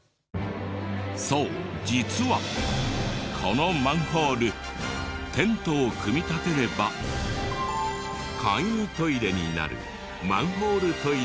そう実はこのマンホールテントを組み立てれば簡易トイレになるマンホールトイレというもの。